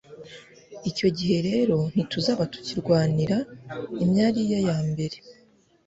Icyo gihe rero ntituzaba tukirwanira imyariya y'imbere.